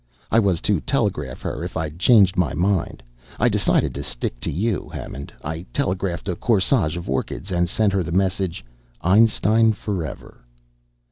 I was to telegraph her if I'd changed my mind. I decided to stick to you, Hammond. I telegraphed a corsage of orchids, and sent her the message, 'Einstein forever!'"